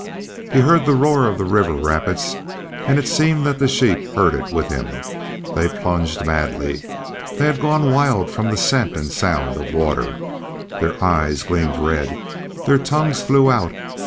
He heard the roar of the river rapids, and it seemed that the sheep heard it with him. They plunged madly; they had gone wild from the scent and sound of water. Their eyes gleamed red; their tongues flew out.